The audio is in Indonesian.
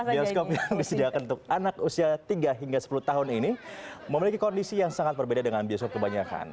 bioskop yang disediakan untuk anak usia tiga hingga sepuluh tahun ini memiliki kondisi yang sangat berbeda dengan bioskop kebanyakan